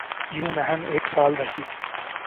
یوں مہم ایک سال رہی۔